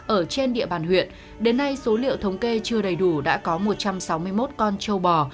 ở trên địa bàn huyện đến nay số liệu thống kê chưa đầy đủ đã có một trăm sáu mươi một con trâu bò